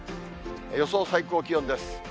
予想最高気温です。